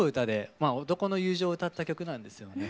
まあ男の友情を歌った曲なんですよね。